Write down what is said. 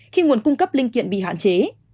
khi nguồn cung cấp linh kiện bị hạn chế